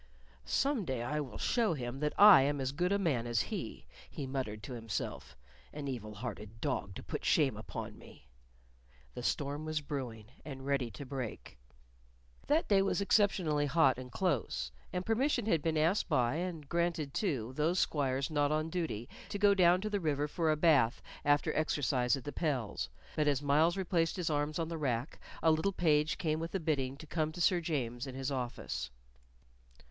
"Some day I will show him that I am as good a man as he," he muttered to himself. "An evil hearted dog to put shame upon me!" The storm was brewing and ready to break. That day was exceptionally hot and close, and permission had been asked by and granted to those squires not on duty to go down to the river for a bath after exercise at the pels. But as Myles replaced his arms in the rack, a little page came with a bidding to come to Sir James in his office.